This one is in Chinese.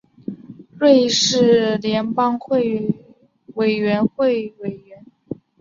瑞士联邦委员会委员。